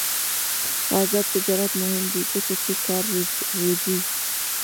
آزاد تجارت مهم دی ځکه چې کار روزي.